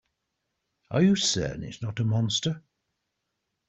Are you certain it's not a monster?